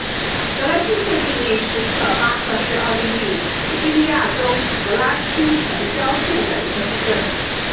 格拉茨附近内施特尔巴赫是奥地利施蒂利亚州格拉茨城郊县的一个市镇。